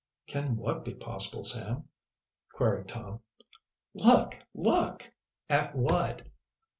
"Can what be possible, Sam?" queried Tom. "Look! look!" "At what?"